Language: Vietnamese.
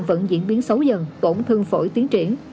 vẫn diễn biến xấu dần tổn thương phổi tiến triển